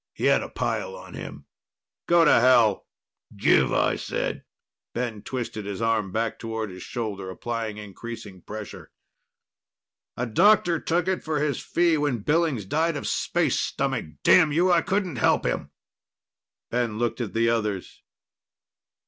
He had a pile on him." "Go to hell!" "Give, I said!" Ben twisted his arm back toward his shoulder, applying increasing pressure. "A doctor took it for his fee when Billings died of space stomach. Damn you, I couldn't help him!" Ben looked at the others.